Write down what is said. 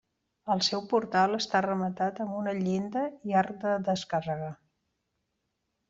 El seu portal està rematat amb una llinda i arc de descàrrega.